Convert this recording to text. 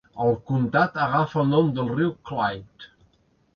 El comtat agafa el nom del riu Clwyd.